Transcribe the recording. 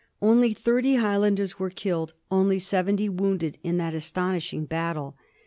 Only thirty Highlanders were killed, only seventy wounded, in that astonishing battle.